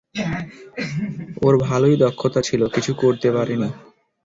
ওর ভালই দক্ষতা ছিল, কিছু করতে পারেনি।